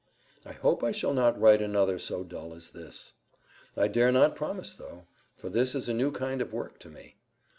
I hope I shall not write another so dull as this. I dare not promise, though; for this is a new kind of work to me.